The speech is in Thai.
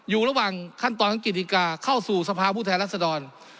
อยู่ระหว่างขั้นตอนของกิติกาเข้าสู่สภาพผู้แทนรัศดร